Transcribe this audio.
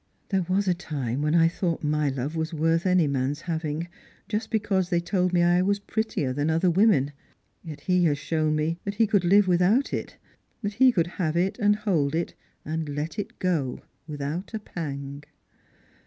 " There was a time when I thought my love was worth any man's having, just because they told me I was prettier than other women. Yet /is has shown me that he could live without it, that he could have it and hold it, and let it go without a pang."